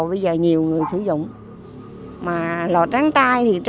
và đôi khi